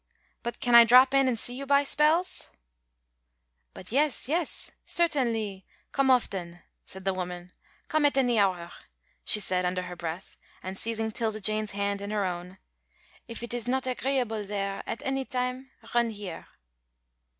"But can I drop in an' see you by spells?" "But yes, yes certainly, come often," said the woman. "Come at any hour," she said under her breath, and seizing 'Tilda Jane's hand in her own, "if it is not agreeable there, at any time run here."